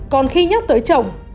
còn khi nhắc tới chồng